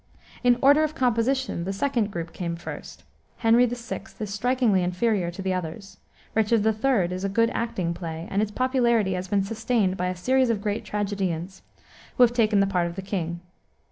In order of composition, the second group came first. Henry VI. is strikingly inferior to the others. Richard III. is a good acting play, and its popularity has been sustained by a series of great tragedians, who have taken the part of the king.